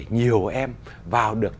nhiều em vào được